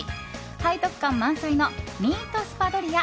背徳感満載のミートスパドリア